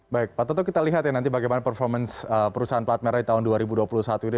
baik pak toto kita lihat ya nanti bagaimana performance perusahaan plat merah di tahun dua ribu dua puluh satu ini